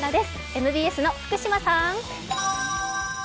ＭＢＳの福島さん。